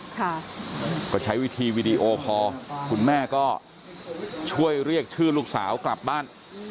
ค่ะก็ใช้วิธีวีดีโอคอร์คุณแม่ก็ช่วยเรียกชื่อลูกสาวกลับบ้าน